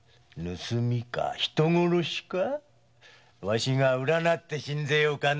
わしが占って進ぜようかの？